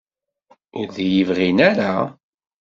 Ur d-iyi-bɣin ara?